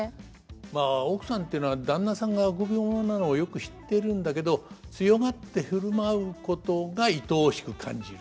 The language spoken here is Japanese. まあ奥さんっていうのは旦那さんが臆病者なのをよく知ってるんだけど強がって振る舞うことがいとおしく感じる。